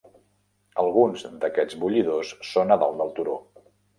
Alguns d'aquests bullidors són a dalt del turó.